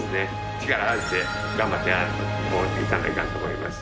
力を合わせて頑張ってやる！と思っていかないかんと思います。